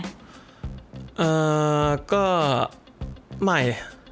เอ่อก็ไม่